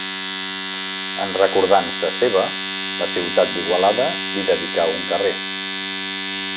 En recordança seva, la ciutat d'Igualada li dedicà un carrer.